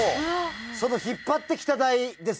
その引っ張ってきた代です